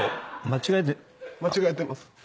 間違えてます。